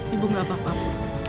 ibu gak apa apa